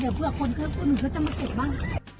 เดี๋ยวเพื่อคนเครื่องตัวหนูก็จะมาสิบบ้าง